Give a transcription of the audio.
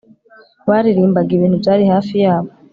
baririmbaga ibintu byari hafi yabo